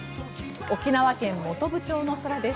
沖縄県本部町の空です。